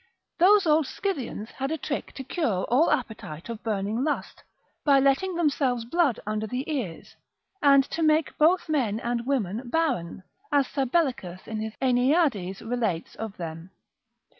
Those old Scythians had a trick to cure all appetite of burning lust, by letting themselves blood under the ears, and to make both men and women barren, as Sabellicus in his Aeneades relates of them.